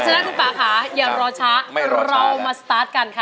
ปัจจนัดคุณปาขาอย่างรอช้าเรามาสตาร์ทกันค่ะ